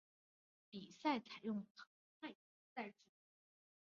比赛采用单淘汰制。